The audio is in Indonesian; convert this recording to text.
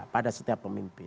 pada setiap pemimpin